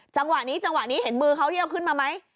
จังหวะนี้จังหวะนี้เห็นมือเขาเยี่ยวขึ้นมาไหม